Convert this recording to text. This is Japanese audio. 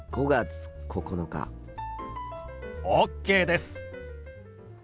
ＯＫです！